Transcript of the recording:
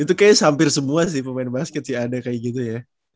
itu kayaknya hampir semua sih pemain basket sih ada kayak gitu ya